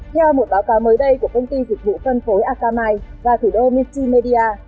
theo một báo cáo mới đây của công ty dịch vụ phân phối akamai và thủ đô minty media